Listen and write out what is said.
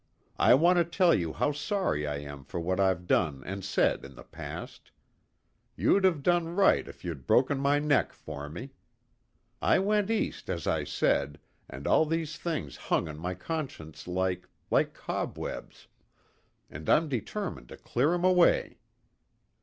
I want to tell you how sorry I am for what I've done and said in the past. You'd have done right if you'd broken my neck for me. I went east as I said, and all these things hung on my conscience like like cobwebs, and I'm determined to clear 'em away.